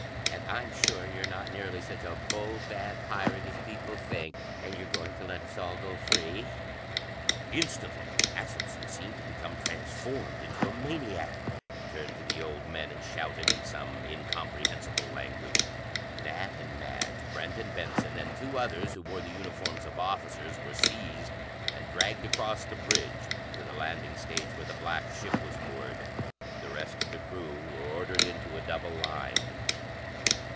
"And I'm sure you're not nearly such a bold, bad pirate as people think, and you're going to let us all go free." Instantly Axelson seemed to become transformed into a maniac. He turned to the old men and shouted in some incomprehensible language. Nat and Madge, Brent and Benson, and two others who wore the uniforms of officers were seized and dragged across the bridge to the landing stage where the black ship was moored. The rest of the crew were ordered into a double line.